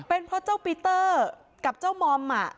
เป็นเพราะเจ้าปีเตอร์กับเจ้ามอม